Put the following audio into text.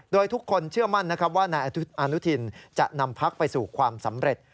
โดยทุกคนเชื่อมั่นนะครับว่านายอนุทินจะนำพักไปสู่ความสำเร็จ